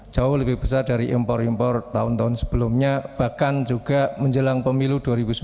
jauh lebih besar dari impor impor tahun tahun sebelumnya bahkan juga menjelang pemilu dua ribu sembilan belas